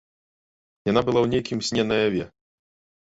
Яна была ў нейкім сне наяве.